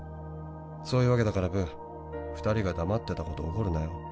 「そういうわけだからぶー二人が黙ってたこと怒るなよ」